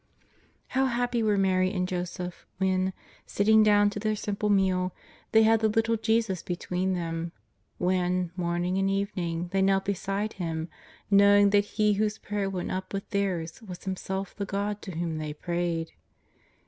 How happy were Mary and Joseph, when, sitting down to their simple meal, they had the little Jesus between them; when, morning and evening, they knelt beside Him, knowing that He whose prayer went up with theirs was Himself the God to whom they prayed.